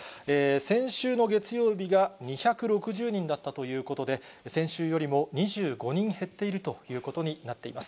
先週の月曜日が２６０人だったということで、先週よりも２５人減っているということになっています。